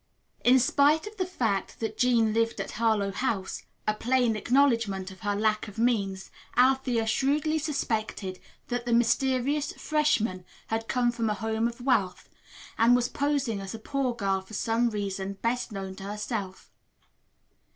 In spite of the fact that Jean lived at Harlowe House, a plain acknowledgment of her lack of means, Althea shrewdly suspected that the mysterious freshman had come from a home of wealth, and was posing as a poor girl for some reason best known to herself.